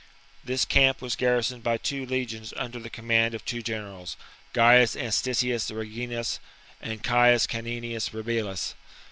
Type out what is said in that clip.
This camp was garrisoned by two legions under the command of two generals, Gaius Antistius Reginus and Gaius Caninius Rebilus.